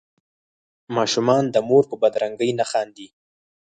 ماشومان د مور په بدرنګۍ نه خاندي.